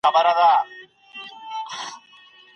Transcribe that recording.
د بهرنيو پاليسيو په اړه مطالعه وکړئ.